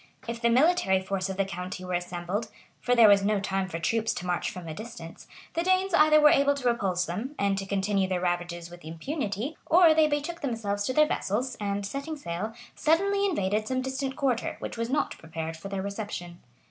If the military force of the county were assembled, (for there was no time for troops to march from a distance,) the Danes either were able to repulse them, and to continue their ravages with impunity, or they betook themselves to their vessels, and, setting sail, suddenly invaded some distant quarter, which was not prepared for their reception.